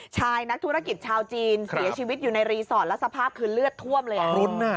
ชายนักธุรกิจชาวจีนเสียชีวิตอยู่ในรีสอร์ทแล้วสภาพคือเลือดท่วมเลยอ่ะ